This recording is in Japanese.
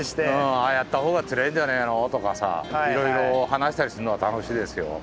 ああやった方が釣れんじゃねえのとかさいろいろ話したりすんのは楽しいですよ。